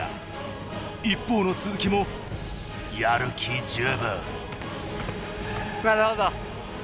一方の鈴木もやる気十分。